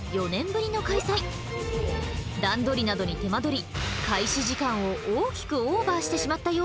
段取りなどに手間取り開始時間を大きくオーバーしてしまったようです。